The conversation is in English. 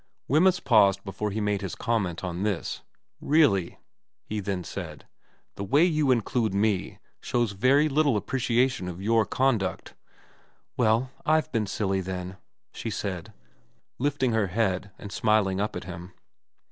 Wemyss paused before he made his comment on this. ' Really,' he then said, ' the way you include me shows very little appreciation of your conduct.' ' Well, I've been silly then,' she said, lifting her head and smiling up at him.